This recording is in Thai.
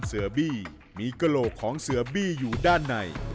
เสือบี้มีกระโหลกของเสือบี้อยู่ด้านใน